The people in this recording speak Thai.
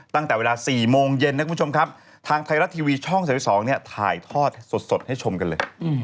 ตั้งแต่เวลาสี่โมงเย็นนะท่านคุณผู้ชมครับทางไทยรับทีวีช่องยสลิสองเนี่ยถ่ายทอดสดสดให้ชมกันเลยอืม